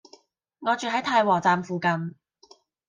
我住喺太和站附近